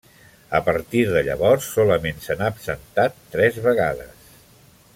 A partir de llavors, solament se n'ha absentat tres vegades.